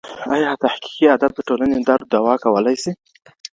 ایا تحقیقي ادب د ټولني درد دوا کولی سي؟